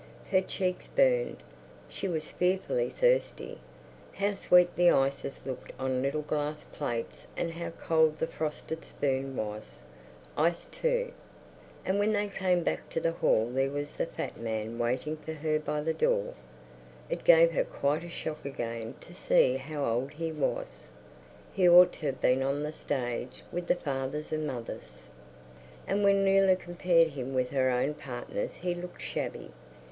Her cheeks burned, she was fearfully thirsty. How sweet the ices looked on little glass plates and how cold the frosted spoon was, iced too! And when they came back to the hall there was the fat man waiting for her by the door. It gave her quite a shock again to see how old he was; he ought to have been on the stage with the fathers and mothers. And when Leila compared him with her other partners he looked shabby.